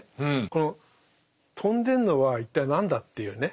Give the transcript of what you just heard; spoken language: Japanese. この飛んでるのは一体何だ？っていうね。